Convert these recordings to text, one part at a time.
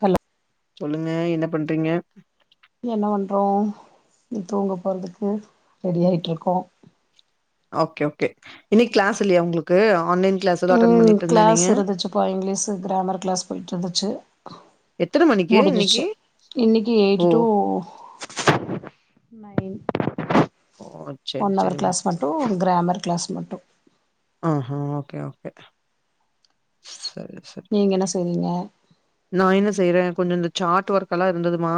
Hello சொல்லுங்க என்ன பண்றீங்க என்ன பண்றோ தூங்க போறதுக்கு ரெடி ஆயிட்ருக்கோ ஓகே ஓகே இன்னைக் கிளாஸ் இல்லயா ஒங்ளுக்கு ஆன்லைன் கிளாஸ் ஏதோ அட்டெண்ட் ம் பண்ணிட்டுருந்தேன் கிளாஸ் நீங்க? இருந்துச்சுப்பா இங்கிலீஷு கிராமர் கிளாஸ் போயிட்ருந்துச்சு எத்தன மணிக்கு முடிஞ்சுச்சு இன்னைக்கு? இன்னைக்கு ஓ! எயிட் டூ நைன் ஓ சரி ஒன் அவர் சரிம்மா. கிளாஸ் மட்டு கிராமர் க்ளாஸ் மட்டு ஆ ஹோ ஓகே ஓகே சரி சர் நீங்க என்ன செய்றீங்க நா என்ன செய்றே கொஞ்சோ இந்த சார்ட் ஒர்க்கலா இருந்ததுமா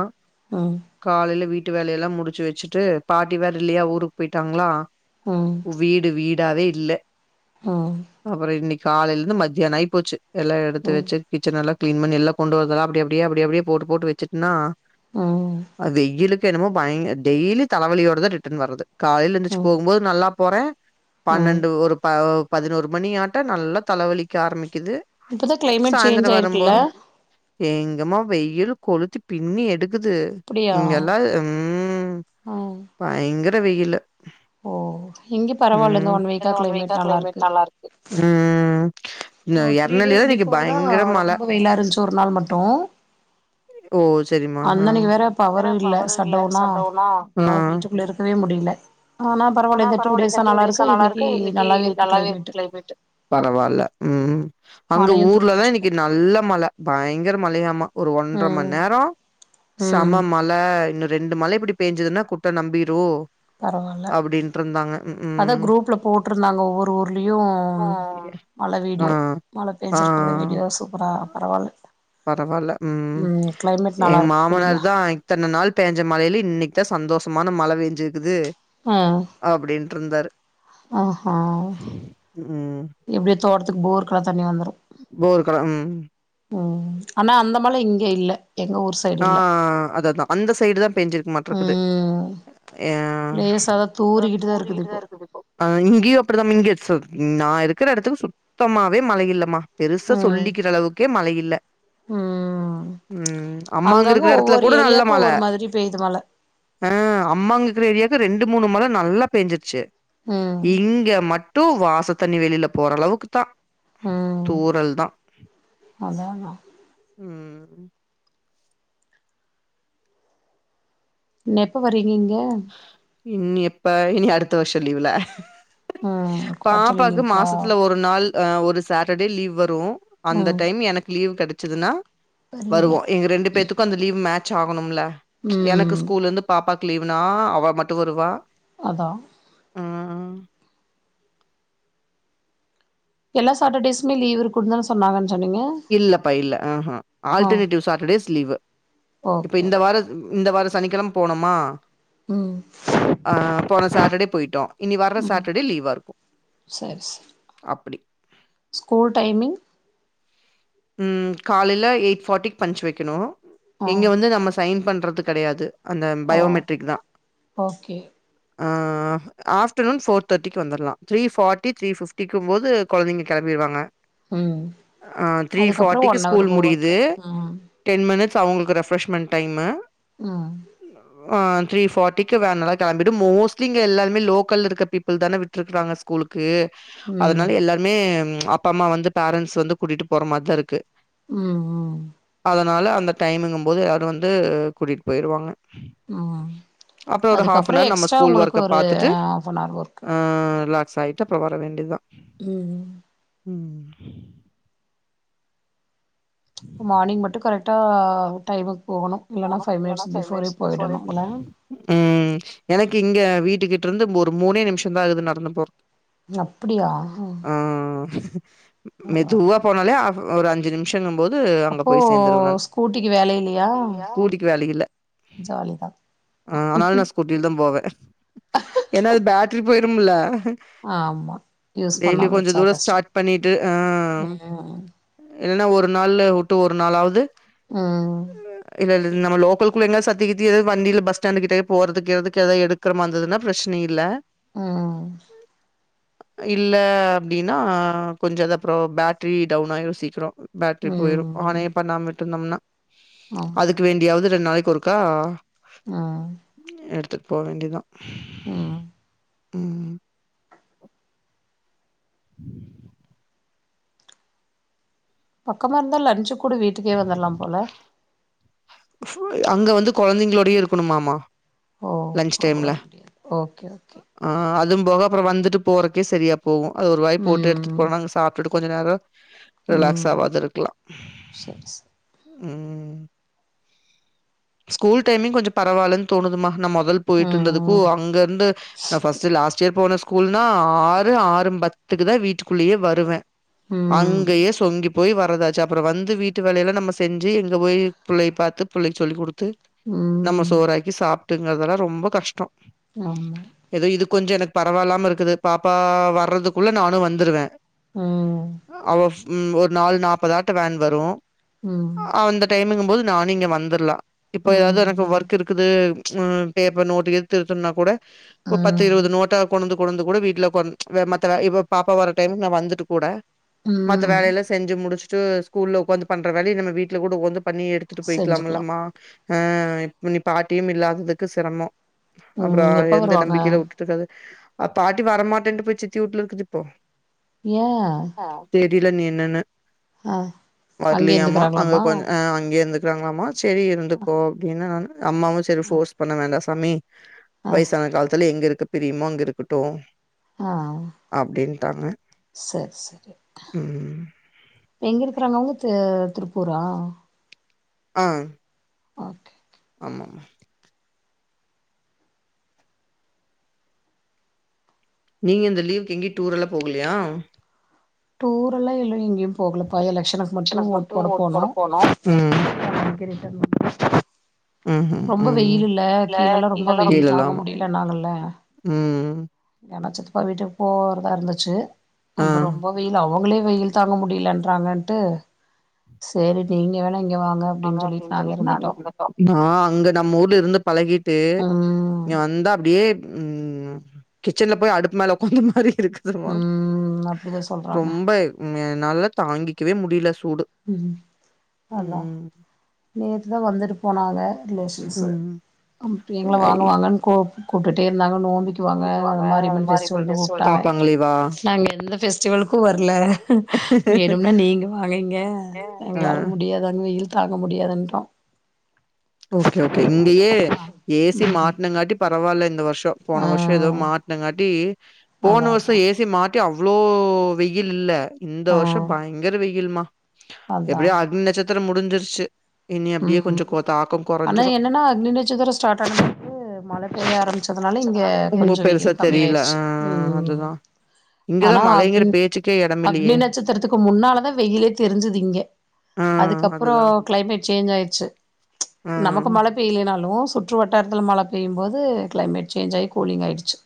அ காலைல வீட்டு வேலையெல்லா முடிச்சு வெச்சுட்டு பாட்டி வேற இல்லையா ஊருக்கு போயிட்டாங்களா ம் வீடு வீடாவே இல்ல ம் அப்பறோ இன்னிக் காலைல இருந்து மத்தியானோ ஆய் போச்சு எல்லா எடுத்து ம் வெச்சு கிச்சனல்லா க்ளீன் பண்ணி எல்லா கொண்டு வந்தத்லா அப்டி அப்டியே அப்டி அப்டியே போட்டு போட்டு வெச்சுட்னா அ அ வெய்யிலுக் என்னமோ பயங்க டெய்லி தலவலியோடதா ரிட்டன் வர்றது காலைல எந்துச்சு ம் போகும்போத் நல்லா போறே ம் பண்னெண்டு ஒரு ப ஒ பதினோரு மணி ஆட்ட நல்லா தலவலிக்க ஆரமிக்குது இப்பதா கிளைமேட் சேஞ்ச் சாய்ந்தரோ ஆயிருக்குல்ல வரம்போது எங்கமா வெயிலு கொளுத்தி பின்னி எடுக்குது அப்டியா இங்கெல்லா ம் ம் பயங்கர வெயிலு ஓ இங்க பரவால்ல இந்த ம் இங்கெலா ஒன் வீக்கா கிளைமேட் க்ளைமேட் நல்லாருக்கு ம் ஒரு த்ரீ எரநெல்லில டேஸ் இன்னைக்கு பிஃபோர்தா பயங்கர மழ. ரொம்ப வெயிலா இருந்ச்சு ஒரு நாள் மட்டு ஓ செரிமா ஆ இங்க வேற பவரு இல்ல சட்டவ்னா அப்பா ம் வீட்டுக்குள்ள இருக்கவே முடியல ஆனா பரவால்ல இந்த டூ டேஸா நல்லாருக்கு இன்னிக்கு நல்லாவே இருக்கு க்ளைமேட்டு பரவால்ல ம் அங்க மழையு ஊர்லதா தூறிட்ருக்கு இன்னிக்கி நா நல்ல மழ பயங்கர மழையாம ஒரு ஒன்ற ம் மண்நேரோ ம் சம மழ இல்ல இன்னு ரெண்டு மழ இப்புடி பேயஞ்சதுன்னா குட்ட நம்பீரு பரவால்ல அத்தா ம் குரூப்ல போட்ருந்தாங்க ஒவ்வொரு ஊர்லியு மழ ஆ வீடியோ மழ ஆ பேஞ்சுருக்கறத வீடியோ சூப்பரா பரவால்ல பரவால்ல ம் கிளைமேட் நல்லா எங்க இருக்கு கூலிங்கா மாமனார்தா இத்தனனாள் பேஞ்ச மழைல இன்னிக்தா சந்தோஷமான மழ பேஞ்சிருக்குது ஆ அப்டின்ட்ருந்தாரு ஆஹா ம் எப்டியோ தோட்டத்துக்கு போருக்கெல்லா தண்ணி வந்துரு போருக்கெலா ம் ம் ஆனா அந்த மழ இங்க இல்ல எங்க ஊர் சை ஆ அதுதா அந்த சைடுதா பேஞ்சிருக்குமாட்ருக்குது ம் ஏ லேசாதா அத்தா தூறிக்கிட்டு தா இருக்குது இப்போ தூறிக்குட்டேருக்குது அ இங்கேயு அப்படித்தா மின்கியடிச்சல் நா இருக்கற எடத்துக்கு சுத்தமாவே மழ இல்லமா பெருசா ம் சொல்லிக்கிற அளவுக்கே மழ இல்ல ம் ம் அம்மாங்க அங்கங்க இருக்குற ஒவ்வொரு எடத்துலகூட நல்ல ஏரியாக்கு மழ ஒவ்வொரு மாதிரி பெய்யுது மழ ஆ அம்மாங்க இருக்கிற ஏரியாக்கு ரெண்டு மூணு மழ நல்லா பேஞ்சிருச்சு ம் இங்க மட்டு வாச தண்ணி வெளில போற அளவுக்குதா ம் தூறல்தா அதானா ம் எப்ப வரீங்க இங்க இனி எப்ப இனி அடுத்த வர்ஷோ லீவ்ல ம் குவார்டர்லி பாப்பாக்கு லீவுக்கா மாசத்துல ஒரு நாள் அ ஒரு சாட்டர்டே லீவ் வரு அந்த ம் டைம் எனக்கு லீவ் கெடச்சதுன்னா வருவீங்க வருவோ எங்க ரெண்டு பேத்துக்கு அந்த லீவ் மேட்ச் ஆகணுமுல எனக்கு ம் ஸ்கூல்ல இருந்து பாப்பாக்கு லீவ் அப்புன்னா அவமட்டு வருவா அதா ம் எல்லா சட்டர்டேஸ்மே லீவு இருக்குன்னு சொன்னாங்கன்ன சொன்னீங்க இல்லப்பா இல்ல ஆஹா ஆ ஆல்டர்னேட்டிவ் சாட்டர்டேஸ் லீவ் இப்ப ஓகே ஓகே இந்த வாரோ இந்த வாரோ சனிக்கெழமை போனமா ம் அ போன சாட்டர்டே போயிட்டோ இனி வர்ற சாட்டர்டே லீவா இருக்கு சரி சரி அப்டி ஸ்கூல் டைமிங் உம் காலையில எயிட் ஃபாட்டிக்கு பஞ்ச் வைக்கணு ஆ இங்க வந்து நம்ம சைன் பண்றது கெடையாது அந்த ஓ பயோமெட்ரிக் தா ஓகே ஆஃப்டர் நூன் ஃபோர் தேர்டிக்கு வந்துரலா தரீ ஃபார்டி த்ரீ ஃபிப்டிக்கும் போது கொழந்தைங்க கிளம்பிடுவாங்க உம் அதுக்கப்புறோ ஒன் ஹவர் ஸ்கூல் உ ஒர்க் முடியுது டென் மினிட்ஸ் அவங்களுக்கு ரெஃப்ரஷ்மென் டைமுஅ ம் த்ரீ ஃபார்டி க்க வேன்ல கிளம்பிட்டு மோஸ்ட்லி இங்க எல்லாருமே லோக்கல் இருக்க பீப்பிள் தான விட்ருக்காங்க ஸ்கூலுக் க்கு ம் அதனால எல்லாமே அப்ப அம்மா வந்து பேரண்ட்ஸ் வந்து கூட்டிட்டு போற மாதிரிதா இருக்கு உம் உம் அதனால அந்த டைமிங்கும் போது யாரும் வந்து கூட்டிகிட்டு போயிடுவாங்க ஆ அப்றோ ஒரு ஆஃநவர் நம்ம ஸ்கூல் ஒர்க ஒரு பாத்தட்டு ஹாஃபன் ஹவர் ஒர்க்கு ஆ ரிலாக்ஸ் ஆய கிட்டத்த வர வேண்டியது உம் உம் மார்னிங் மட்டு கரெக்டாக டைமுக்கு போகணூ இல்லைனா போணும். ஃபைவ் மினிட்ஸ் பிஃபோரே போயிடணூ இல்ல உம் எனக்கு இங்க வீட்டுக்கிட்ட இருந்து ஒரு மூனே நிமிஷம் தா ஆகுது நடந்து போற அப்டியா ஆ மெது பரவால்ல போனாலே அப்ப ஒரு அஞ்சு நிமிஷங்கம் போது அங்க போய் சேந்துருவே நா ஊட்டிக்கு வேலை இல்லயா ஊட்டிக்கு வேலை இல்ல ஆ அதனால நா ஸ்கூ இல் தா போவே ஏன்னா அது பேட்ரி போயிருமில்ல ஆமா யூஸ் டெய்லி பண்ணாம கொஞ்ச வச்சா தூரோ கஷ்டோ ஸ்டார்ட் பண்ணிட்டு ஆ ம் இல்ல ஒரு நாள்ல் விட்டு ஒரு நாளாவுது உம் இல்ல இல்ல நம்ம லோக்கல் குள்ள எங்க சத்தி கித்தி ஏதது வண்டியில பஸ்டாண்டு கிட்டயே போறதுக்கு எதுக்கு எடு க்கிரமா வந்ததுன்னா பிரச்சன இல்ல ஆ இல்ல அப்டின்னா கொஞ்சது அப்றோ பேட்ரி டவுன் ஆயிரும் சீக்கரோ பேட்டரி போயிரும் ம் ஆனே பண்ணாம விட் இருந்தோம்னா ஆமா அதுக்கு வேண்டியாவது ரெண்டு நாளைக்கு ஒருக்கா ம் எடுத்துட்டு போ வேண்டியதா ம் உம் [inaudible] பக்கமா இருந்தா லன்ஞ்சு கூட வீட்டுக்கே வந்துரலாம் போல அங்க வந்து கொழந்தைங்களோடயே இருக்கணுமாமா ஓ லஞ்ச் அப்ப டைம்ல வர முடியாது ஓகே ஓகே ஆ அதும் போக அப்றம் வந்துட்டு போறக்கே சரியா போகு அது ஒரு வாய் போட்டு எடுத்துட்டு ம் போனா அங்க சாப்ட்டுட்டு கொஞ்ச நேரோ ரிலாக்ஸ் ம் ஆவாது இருக்கலா சரி சரி உம் ஸ்கூல் டைமிங் கொஞ்சம் பரவால்லன்னு தோணுதுமா நா மொதல் போயிட்டு இருந்ததுக்கும் ம் அங்க இருந்து நான் ஃபர்ஸ்ட்டு லாஸ்ட் இயர் போன ஸ்கூல்ன்னா ஆறு ஆறு பத்துக்கு தா வீட்டுக்குள்ளயே வருவே ம் அங்கயே சொங்கிப் போய் வர்றதாச்சு அப்பற வந்து வீட்டு வேலையெல்லா நம்ம செஞ்சு எங்க போய் புள்ளைய பாத்து புள்ளக்கி சொல்லிக் குடுத்து ம் நம்ம சோறக்கி சாப்ட்டுங்கறதெல்லா ரொம்ப கஷ்டொ ஆமா ஏதோ இது கொஞ்ச எனக்கு பரவால்லாம இருக்குது பாப்பா வர்றதுக்குள்ள நானு வந்துருவே ம் அவ ஒரு நாலு நாப்பதாட்ட வேன் வரு ம் அந்த டைமிங்கும் போது நானு இங்க வந்துர்லா இப்ப ஏதா எனக்கு ம் ஒர்க் கிருக்குது ஆ பேப்பர் நோட்டு எது திருத்தனுன்னா கூட பத்து ம் இருவது நோட்டா கொண்டுந்து கொனுந்து கூட வீட்ல கொந்து மத்த இப்ப பாப்பா வர டைமுக்கு நா வந்துட்டு கூட மத்த ம் வேல எல்லா செஞ்சு முடுச்சுட்டு ஸ்கூல்ல உக்காந்து பண்ற வேலைய நம்ம வீட்டுல கூட ஓந்து பண்ணி எடுத்து த்துட்டு செஞ்சுக்கலாம் போயிக்கலாம்மில்லாம்மா ஆ இப்ப நீ பாட்டியு இல்லாததுக்கு சிரமம் அப்பற ம் எப்ப எந்த வருவாங்க நம்பிக்கையில உட்டுட்டு றது அ பாட்டி வரமாட்டேன்ட்டு போய் சித்தி ஊட்ல இருக்குது இப்போ ஏ தெரியல நீ என்னன்னு அங்கயே வரலயாமா அங்க இருந்துக்கிறாங்களாமா கொஞ்ச ஆ அங்கே இருந்துக்கிறாங்களாமா சரி இருந்துக்கோ அப்டின்ன நானு அம்மாவும் சரி ஃபோர்ஸ் பண்ண வேண்டா சாமி ஆ வயசான காலத்துல எங்க இருக்க பிரியமோ அங்க இருக்கட்டு ஆ அப்டின்ட்டாங்க சரி சரி ம் எங்க இருக்குறாங்க அவங்க திருப்பூரா ஆ ஓக்கே ஓகே ஆமா மா நீங்க இந்த லீவ்க்கு எங்கயி டூர் எல்லா போகலையா டூர் எல்லா இல்ல எங்கயும் போகலப்பா எலக்ஷனுக்கு மட்டு ஓட் போட போனோ [inaudible] ரிட்டன் ம்ஹூம் ரொம்ப ம் வெயில் இல்ல கீழலெலா ரொம்ப வெயில் கீழலா தாங்க ஆமா முடியல னாங்கள்ல ம் ஏனா சித்தப்பா வீட்டுக்கு போறதா இருந்துச்சு ஆ அப்ப ரொம்ப வெயில் அவங்களே வெயில் தாங்க முடியலன்றாங்கன்ட்டு சரி நீங்க வேணா இங்க வாங்க அப்டின்னு சொல்லிட்டு நாங்க ருந்துட்டோ வா அங்க நம்ம ஊர்ல இருந்து பழகிட்டு ம் இங்க வந்தா அப்டியே உம் கிச்சன்ல போய் அடுப்பு மேல உக்காந்த மாரி இருக்கு திருமா ம் அப்டிதா சொல்றாங்க ரொம்ப நல்ல தாங்கிக்கவே முடியல சூடு ம் அதா ம் நேத்து தா வந்துட்டு போனாக ரிலேஷன்ஸு ம் அப்ர எங்கள வாங்க வாங்கன்னு கூ கூட்டிட்டே இருந்தாங்க நோம்பிக்கு வாங்க குளிக்குவாங்க அது மாரியம்மன் ஃபெஸ்டிவல்னு ஃபெஸ்டிவல் கூப்ட்டாங்க பாப்பாங்களேவா நாங்க எந்த ஃபெஸ்டிவலுக்கு வர்ல வேணும்னா நீங்க வாங்க இங்க ஆ முடியாதங் வெயில் தாங்க முடியாதுன்றா ஓகே ஓகே இங்கயே ஏ சி ம் மாட்டினங்காட்டி பரவால்ல இந்த வருஷொ ஆ போன வருஷொ ஏதோ மா ங்காட்டி அதா போன அதா வருஷம் ஏ சி மாட்டி அவ்ளோ வெயில் இல்ல இந்த ஆ வருஷொ பயங்கர வெயில்மா அதா எப்டியோ அக்னி நட்சத்திரம் முடிஞ்சிருச்சு இனி அப்டியே கொஞ்ச ம் கொ தாக்கம் ஆனா கொறஞ்சிரும். என்னன்னா அக்னிநச்சத்தர ஸ்டாட் ஆனதுக்கு மழ பெய்ய ஆரம்பிச்ச அதுனால இங்க ஆரம்பிச்சதுனால உங்க கொஞ்ச பெருசா வெயில் தெரியல. கம்மியாயிருச்சு ஆ ம் அதுதான். இங்க ஆனா தான் மழைங்கிற அக்னின் பேச்சுக்கே இடமில்லையே! அக்னி நட்சத்திரத்துக்கு முன்னாலதா வெயிலே தெரிஞ்சுது இங்க ஆ அதுக்கப்பறோ அதுதான். க்ளைமேட் சேஞ்ச் ஆயிருச்சு நமக்கு ம். மழப் பெய்லனாலு சுற்று வட்டாரத்துல மழ பெய்யும்போது க்ளைமேட் சேஞ்ச் ஆகி கூலிங் ஆயிடுச்சு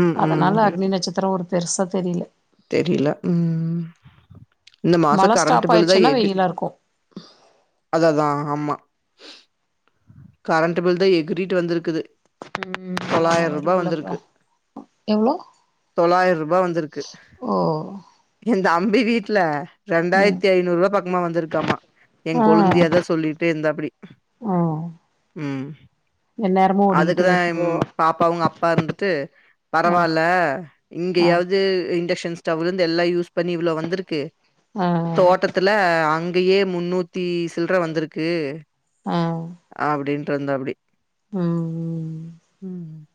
ம். ம். அதுனால இருக்கு. அக்னி நட்சத்திரோ ஒரு பெருசா தெரியல தெரியல ம் ம் இந்த மாச மழ ஸ்டாப் கரண்ட்டு பில் தா ஆயிடுச்சுன்னா எகு வெயிலா இருக்கு அத தா ஆமா கரண்ட்டு பில் தா எகுறிட்டு வந்துருக்குது ம் ஆமா தொளாயிர் ரூபா வருல்ல அப்றோ வந்துருக்கு எவ்ளோ தொளாயிர் ரூபா வந்துருக்கு ஓ எ தம்பி வீட்ல ம் ரெண்டாயிர்த்தி ஐநூறு ரூவா பக்கமா வந்துருக்காம்மா ஏ ஆ கொளுந்தியாதா சொல்லிட்டே இருந்தாப்புடி ஆ ம் எந்நேரமு ஓடிக்கிட்டே அதுக்குதா இம் இருக்குதோ பாப்பா அவுங்க அப்பா இருந்துட்டு ஆ பரவால்ல ஆ இங்கயாவது இங் இன்டக்சன் ஸ்டவ் இருந்து எல்லா யூஸ் பண்ணி இவ்ளோ வந்துருக்கு ஆ தோட்டத் த்துல அங்கயே முன்னூத்தி சில்ற வந்துருக்கு ஆ அப்டின்று வந்தாப்புடி ம் ம் ம் ம்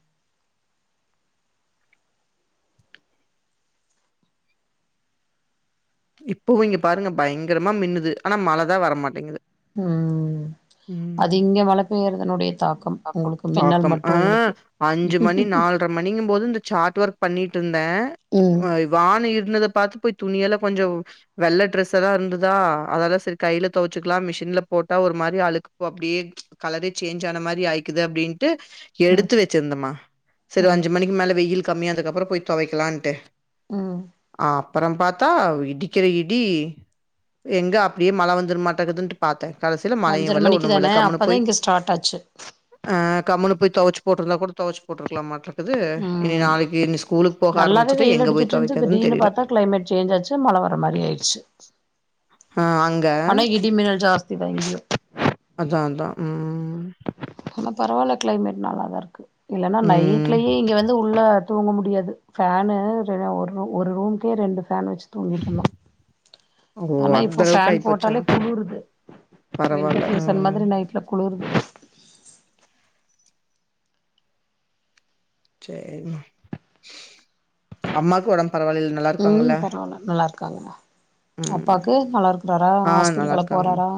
இப்பவு இங்க பாருங்க பயங்கரமா மின்னுது ஆனா மழதா வரமாட்டேங்கிது ம் ம் அது இங்க மழ பெய்யறதனுடைய தாக்கம் உங்களுக்கு மின்னல் மட்டு உங்களுக்கு ஒன்ற மணிக்கும் போது இந்த சார்ட் ஒர்க் பண்ணிட்ருந்தே ம் வ வான இருண்டத பாத்து போய் துணியெல்லா கொஞ்ச வெள்ள ட்ரெஸ்ஸல்லா இருந்துதா அதல்லா செரி கையில தொவச்சுக்கலா மிஷின்ல போட்டா ஒரு மாரி அழுக்கு போ அப்டியே கலரே சேஞ் ஆன மாரி ஆயிக்குது அப்டின் ட்டு ம் எடுத்து வச்சுருந்தம்மா செரி ம் அஞ்சு மணிக்கு மேல வெயில் கம்மியானதுக்கு அப்பறோ போய் தொவைக்கலான்ட்டு ம் அப்பறம் பாத் த்தா இடிக்கிற இடி எங்க அப்டியே மழ வந்துரு மாட்டேங்குதுன்ட்டு பாத்தே கடைசியில மழையு அஞ்சர வல்ல மணிக்கு ஒண்ணும் தான வல்ல கம்முனு அப்பதா போய் இங்க ஸ்டார்ட் ஆச்சு ஆ கம்னு போய் தொவச்சு போட்ருந்தா கூட தொவச்சு போட்ருக்கலாம் மாட்ருக் க்குது இனி ம் நாளைக்கி இனி ஸ்கூலுக்கு போக நல்லாவே ஆரமிச்சுட்டு வெயில் எங்க போய் அடிச்சிட்டு இருந்துச்சு தொவைக்கறதுன்னு திடீர்னு தெரியல பாத்தா கிளைமேட் சேஞ்ச் ஆச்சு மழ வர்ற மாரி ஆய்டுச்சு ஆ அங் ஆனா இடி மின்னல் ஜாஸ்தி தா இங்கயும் அதா அதா ம் ம் ஆனா பரவா இல்ல க்ளைமேட் நல்லா தா இருக்கு இல்லன்னா நைட் ம் ட்லயே இங்க வந்து உள்ள தூங்க முடியாது ஃபேன்னு சரியா ஒடனு ஒரு ரூம்கே ரெண்டு ஃபேன் வச்சு தூங்கிட்ருந்தோ ஓ ஆனா அந்த இப்போ அளவுக்கு ஃபேன் ஆயிப்போச்சா போட்டாலே குளுவுருது பரவால்ல வின்டர் சீசன் ம் மாதிரி நைட்ல குளுவுருது சேரி ம் அம்மாக்கு ஒடம்பு பரவாலேல்ல ம் பரவால்ல நல்லா இருக்காங்க ம் அப்பாக்கு நல்லாருக் இருக்குறாரா ஆ நல்லா ஹாஸ்பிட்டல்கலா இருக்காங்க போறாரா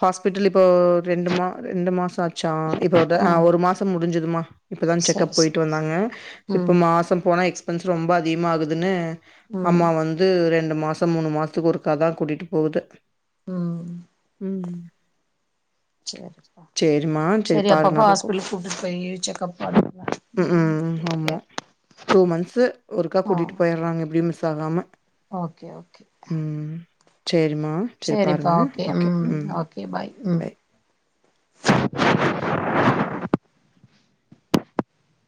ஹாஸ்பிட்டல் இப்போ ரெண்டு மா ரெண்டு மாசோ ஆச்சா இதோட அ ம் ஒரு மாசம் முடிஞ்சுதும்மா இப்பதா செக்அப் சரி சரி போயிட்டு வந்தாங்க இப்ப ம் மாசம் போனா எக்ஸ் பன்ஸ் ரொம்ப அதிகமா ஆகுதுன்னு ம் அம்மா வந்து ரெண்டு மாசம் மூணு மாச த்துக்கு ஒருக்காதா கூட்டிட்டு போவுது ம் ம் சேரிப்பா சேரிம்மா சேரி பாருங்க அப்பப்ப அப்ப ஹாஸ்பிட்டலு கூப்ப கூப்ட்டுட் போயி செக்கப் பண்ணுங்க ம் ம் ம் டேக் ஆமா கேர் டூ மந்த்சு ஒருக்கா ஆ கூட்டிட்டு போயிடுறாங்க எப்டியும் மிஸ் ஆகாம ஓகே ஓகே ம் சேரிமா சேரிப்பா ஓகே ம் ஓகே பாய் ம் பை